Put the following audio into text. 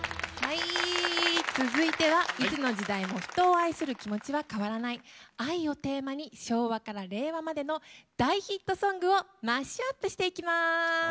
続いては、いつの時代も人を愛する気持ちは変わらない、愛をテーマに昭和から令和までの大ヒットソングをマッシュアップしていきます。